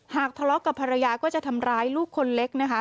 ทะเลาะกับภรรยาก็จะทำร้ายลูกคนเล็กนะคะ